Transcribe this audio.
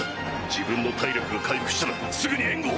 自分の体力が回復したらすぐに援護を。